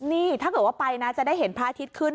นี่ถ้าเกิดว่าไปนะจะได้เห็นพระอาทิตย์ขึ้น